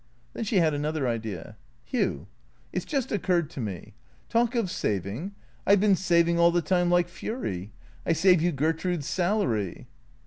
Then she had another idea. " Hugh ! It 's just occurred to me. Talk of saving ! I 've been saving all the time like fury. I save you Gertrude 's salary."